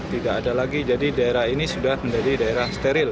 tidak ada lagi jadi daerah ini sudah menjadi daerah steril